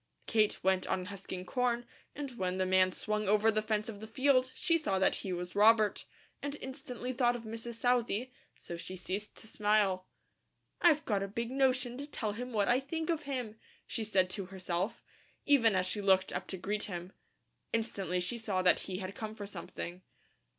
Kate went on husking corn and when the man swung over the fence of the field she saw that he was Robert, and instantly thought of Mrs. Southey, so she ceased to smile. "I've got a big notion to tell him what I think of him," she said to herself, even as she looked up to greet him. Instantly she saw that he had come for something.